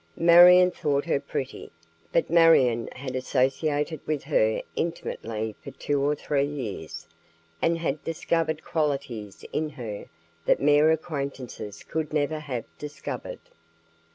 Marion thought her pretty, but Marion had associated with her intimately for two or three years, and had discovered qualities in her that mere acquaintances could never have discovered.